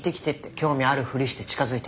興味あるふりして近づいて。